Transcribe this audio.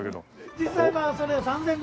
実際はそれ３５００円。